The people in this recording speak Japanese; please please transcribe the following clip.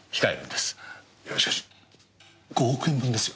いやしかし５億円分ですよ？